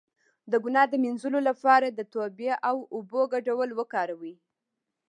د ګناه د مینځلو لپاره د توبې او اوبو ګډول وکاروئ